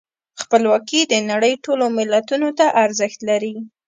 خپلواکي د نړۍ ټولو ملتونو ته ارزښت لري.